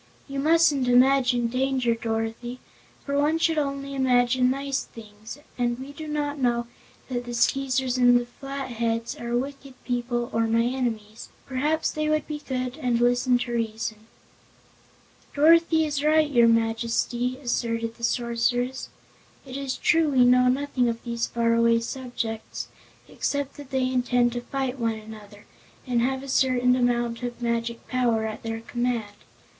"You mustn't imagine danger, Dorothy, for one should only imagine nice things, and we do not know that the Skeezers and Flatheads are wicked people or my enemies. Perhaps they would be good and listen to reason." "Dorothy is right, your Majesty," asserted the Sorceress. "It is true we know nothing of these faraway subjects, except that they intend to fight one another, and have a certain amount of magic power at their command.